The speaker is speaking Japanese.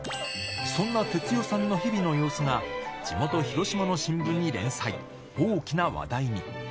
そんな哲代さんの日々の様子が、地元、広島の新聞に連載、大きな話題に。